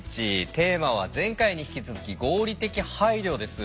テーマは前回に引き続き「合理的配慮」です。